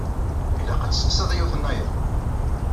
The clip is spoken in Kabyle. Ilaq ad testeqsiḍ yiwet-nnayeḍ.